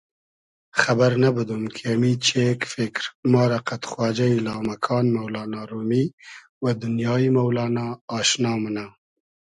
خئبئر نئبودوم کی امی چېگ فیکر ما رۂ قئد خواجۂ یی لامکان مۆلانا رومیؒ و دونیایی مۆلانا آشنا مونۂ